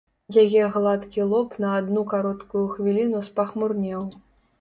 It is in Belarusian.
Яе гладкі лоб на адну кароткую хвіліну спахмурнеў.